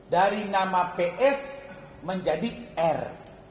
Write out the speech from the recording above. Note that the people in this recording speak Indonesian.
dari nama ps menjadi r